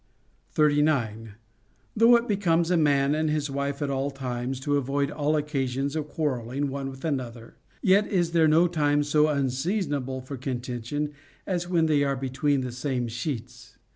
* 39. Though it becomes a man and his wife at all times to avoid all occasions of quarrelling one with another, yet is there no time so unseasonable for contention as when they are between the same sheets.